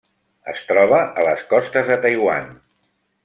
Es troba a les costes de Taiwan.